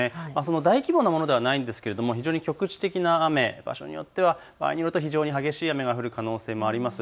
大規模なものではないですけれども非常に局地的な雨、場所によっては非常に激しい雨が降る可能性もあります。